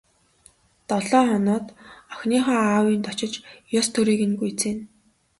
Долоо хоноод охиныхоо аавынд очиж ёс төрийг нь гүйцээнэ.